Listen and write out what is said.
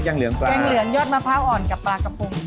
แกงเหลืองยอดมะพร้าวอ่อนกับปลากระพง